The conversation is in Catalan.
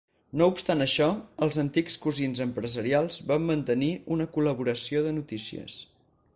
No obstant això, els antics cosins empresarials van mantenir una col·laboració de notícies.